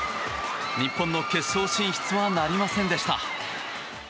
日本の決勝進出はなりませんでした。